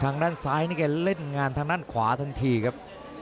ทางด้านซ้ายนี่แกเล่นงานทางด้านขวาทันทีครับ